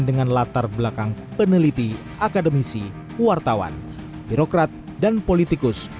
dengan latar belakang peneliti akademisi wartawan birokrat dan politikus